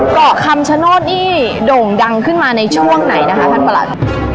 เกาะคำชโนธนี่โด่งดังขึ้นมาในช่วงไหนนะคะท่านประหลัด